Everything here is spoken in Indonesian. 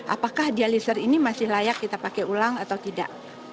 apakah dialiser ini masih layak kita pakai ulang atau tidak